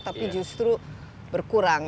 tapi justru berkurang